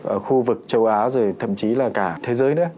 ở khu vực châu á rồi thậm chí là cả thế giới nữa